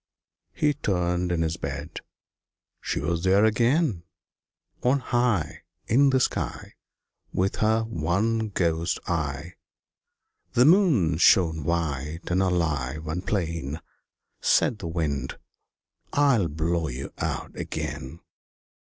He turned in his bed; she was there again! On high In the sky With her one ghost eye, The Moon shone white and alive and plain. Said the Wind "I will blow you out again."